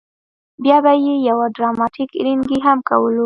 بیا به یې یو ډراماتیک رینګی هم کولو.